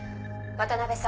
「渡邊さん